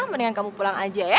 mendingan kamu pulang aja ya